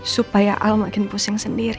supaya al makin pusing sendiri